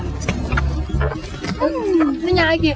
nó nhai kìa